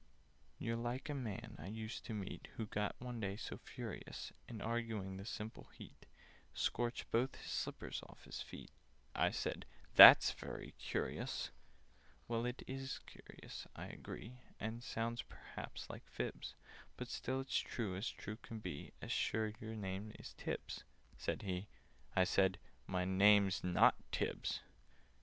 "You're like a man I used to meet, Who got one day so furious In arguing, the simple heat Scorched both his slippers off his feet!" I said "That's very curious!" [Picture: Scorched both his slippers off his feet] "Well, it is curious, I agree, And sounds perhaps like fibs: But still it's true as true can be— As sure as your name's Tibbs," said he. I said "My name's not Tibbs."